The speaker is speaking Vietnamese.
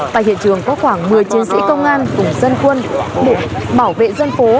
tại hiện trường có khoảng một mươi chiến sĩ công an cùng dân quân bảo vệ dân phố